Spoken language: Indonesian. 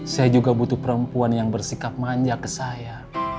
saya juga butuh perempuan yang bersikap manja ke saya